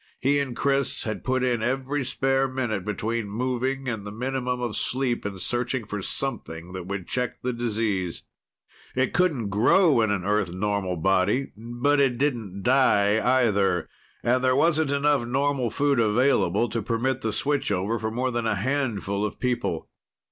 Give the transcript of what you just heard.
He and Chris had put in every spare minute between moving and the minimum of sleep in searching for something that would check the disease. It couldn't grow in an Earth normal body, but it didn't die, either. And there wasn't enough normal food available to permit the switch over for more than a handful of people.